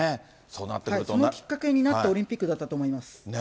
そのきっかけになったオリンピックだったと思います。